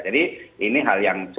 jadi ini hal yang cukup banyak